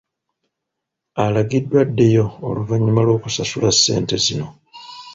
Alagiddwa addeyo oluvannyuma lw'okusasula ssente zino.